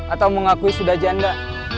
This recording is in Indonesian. atau mengakui sudah janda